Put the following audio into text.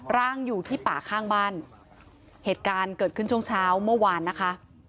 ร่างอยู่ที่ป่าข้างบ้านเหตุการณ์เกิดขึ้นช่วงเช้าเมื่อวานนะคะ